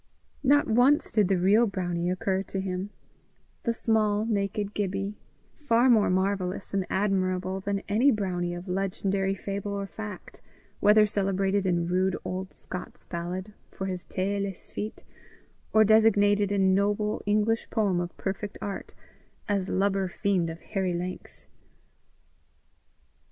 Not once did the real brownie occur to him the small, naked Gibbie, far more marvellous and admirable than any brownie of legendary fable or fact, whether celebrated in rude old Scots ballad for his taeless feet, or designated in noble English poem of perfect art, as lubber fiend of hairy length.